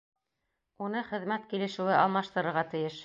Уны хеҙмәт килешеүе алмаштырырға тейеш.